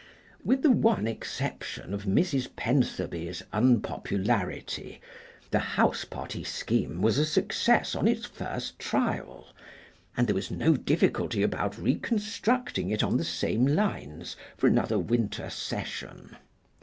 With the one exception of Mrs. Pentherby's unpopularity, the house party scheme was a success on its first trial, and there was no difficulty about reconstructing it on the same lines for another winter session.